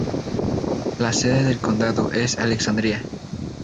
La sede del condado es Alexandria.